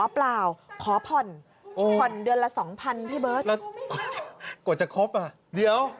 อ๋อเปล่าขอพันธุ์เพราะเดือนละสองพันที่เบิร์ดกว่าจะครบอ่ะเดี๋ยว